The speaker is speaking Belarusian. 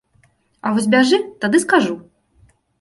А вось бяжы, тады скажу.